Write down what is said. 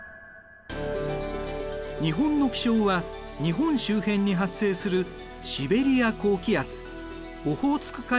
日本の気象は日本周辺に発生するシベリア高気圧オホーツク海